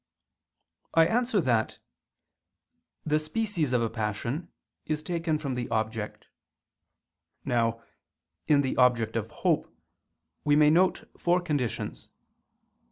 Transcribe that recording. I answer that, The species of a passion is taken from the object. Now, in the object of hope, we may note four conditions.